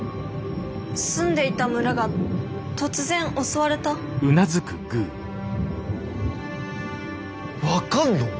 「住んでいた村が突然襲われた」？分かんの？